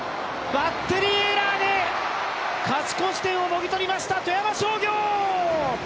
バッテリーエラーで勝ち越し点をもぎとりました、富山商業！